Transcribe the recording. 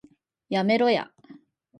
やめろや